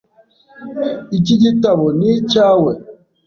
Iki gitabo ni icyawe .